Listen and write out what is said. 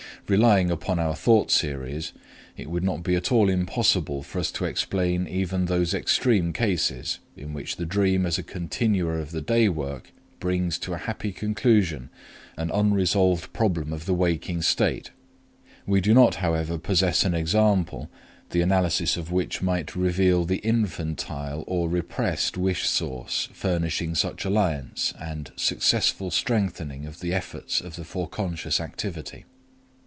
Relying upon our thought series, it would not be at all impossible for us to explain even those extreme cases in which the dream as a continuer of the day work brings to a happy conclusion and unsolved problem possess an example, the analysis of which might reveal the infantile or repressed wish source furnishing such alliance and successful strengthening of the efforts of the foreconscious activity.